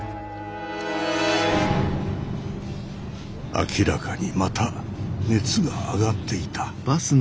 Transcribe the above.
明らかにまた熱が上がっていた。